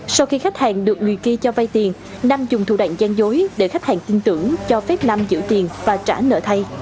sau khi khách hàng được người kia cho vay tiền nam dùng thủ đoạn gian dối để khách hàng tin tưởng cho phép nam giữ tiền và trả nợ thay